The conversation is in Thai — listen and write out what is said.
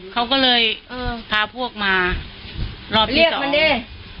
เขาก็เลยพาพวกมารอบที่สองเรียกมันด้วย